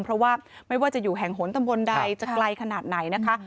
เพราะว่าไม่ว่าจะอยู่แห่งหนตำบลใดจะไกลขนาดไหนนะคะ